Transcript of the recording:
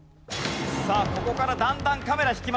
ここからだんだんカメラ引きます。